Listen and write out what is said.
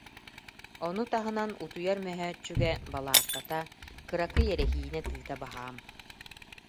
Ону таһынан утуйар мөһөөччүгэ, балаакката, кыракый эрэһиинэ тыыта баһаам